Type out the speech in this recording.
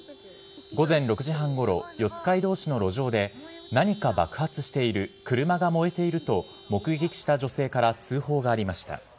午前６時半ごろ、四街道市の路上で何か爆発している、車が燃えていると、目撃した女性から通報がありました。